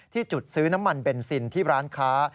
จุดซื้อน้ำมันเบนซินที่ร้านค้า